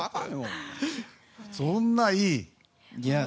そんないい。